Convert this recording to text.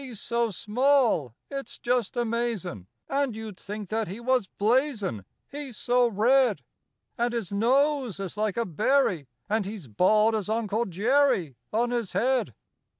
"] He's so small, it's just amazin', And you 'd think that he was blazin', He's so red; And his nose is like a berry, And he's bald as Uncle Jerry On his head.